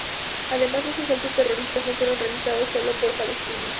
Además, los asaltos terroristas no fueron realizados solo por palestinos.